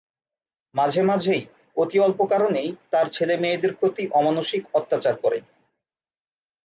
মাঝে মাঝেই অতি অল্প কারণেই তার ছেলে-মেয়েদের প্রতি অমানুষিক অত্যাচার করে।